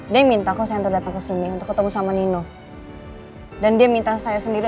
dia yang minta kok saya untuk datang ke sini untuk ketemu sama nino dan dia minta saya sendiri